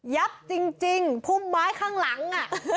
ยับจริงพุ่มไม้ข้างหลังอะ